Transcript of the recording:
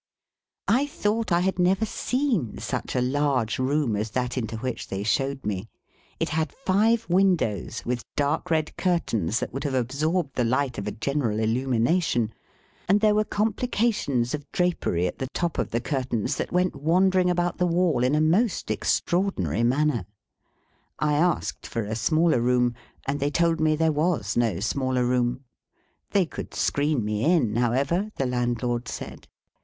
I thought I had never seen such a large room as that into which they showed me. It had five windows, with dark red curtains that would have absorbed the light of a general illumination; and there were complications of drapery at the top of the curtains, that went wandering about the wall in a most extraordinary manner. I asked for a smaller room, and they told me there was no smaller room. They could screen me in, however, the landlord said.